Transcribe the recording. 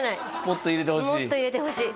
もっと入れてほしい？